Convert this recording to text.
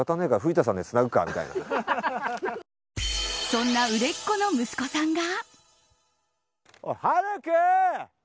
そんな売れっ子の息子さんが。